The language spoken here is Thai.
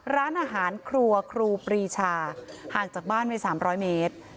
ร้านอาหารครัวครูปรีชาห่างจากบ้านไป๓๐๐เมตร